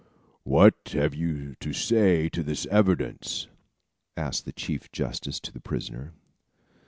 "What have you to say to this evidence?" asked the chief justice to the prisoner.